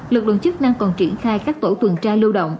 lực lượng chức năng còn triển khai các tổ tuần tra lưu động